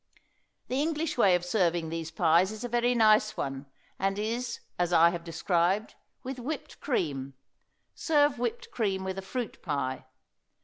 The English way of serving these pies is a very nice one, and is, as I have described, with whipped cream. Serve whipped cream with a fruit pie.